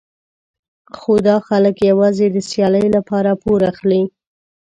خو دا خلک یوازې د سیالۍ لپاره پور اخلي.